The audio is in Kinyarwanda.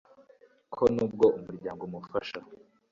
ko n'ubwo umuryango umufasha